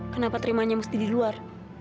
kenapa terimanya mesti di luar